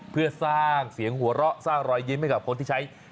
เพื่อสร้างเสียงหัวเราะสร้างรอยยิ้มให้กับคนที่ใช้